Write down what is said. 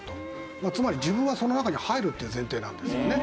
つまり自分はその中に入るっていう前提なんですよね。